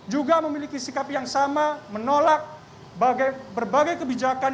juga memiliki sikap yang sama menolak berbagai kebijakan